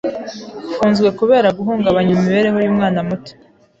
Ufunzwe kubera guhungabanya imibereho yumwana muto.